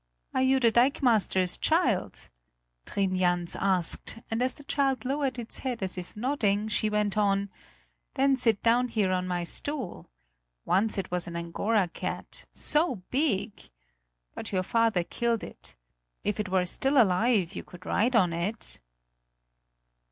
"Are you the dikemaster's child?" Trin Jans asked, and as the child lowered its head as if nodding, she went on: "Then sit down here on my stool. Once it was an Angora cat so big! But your father killed it. If it were still alive, you could ride on it."